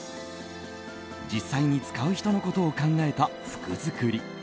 実際に使う人のことを考えた服作り。